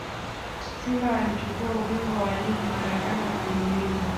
simba walichukua ubingwa wa ligi mara tano mfululizo